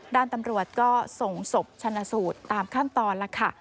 ด้านตำรวจก็ส่งศพชนะสูตรตามขั้นตอนแล้วค่ะ